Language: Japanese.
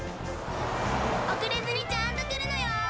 おくれずにちゃんとくるのよ！